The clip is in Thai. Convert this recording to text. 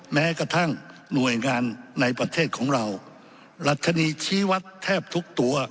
แม้กระทั่งหน่วยงานในประเทศของเรารัชนีชี้วัดแทบทุกตัว